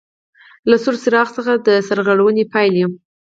له سور څراغ څخه د سرغړونې پاېلې: